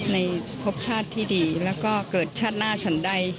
พบชาติที่ดีแล้วก็เกิดชาติหน้าฉันใด